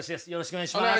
お願いします。